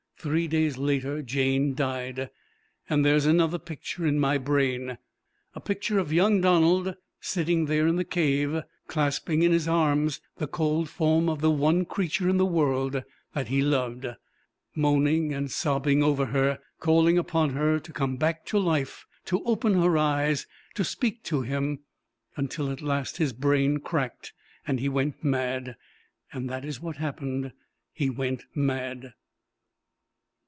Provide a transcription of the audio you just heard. Three days later Jane died. And there is another picture in my brain a picture of young Donald sitting there in the cave, clasping in his arms the cold form of the one creature in the world that he loved; moaning and sobbing over her, calling upon her to come back to life, to open her eyes, to speak to him until at last his brain cracked and he went mad. That is what happened. He went mad."